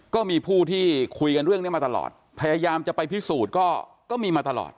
ก็มีผู้ที่คุยกันเรื่องนี้มาตลอดพยายามจะไปพิสูจน์ก็มีมาตลอด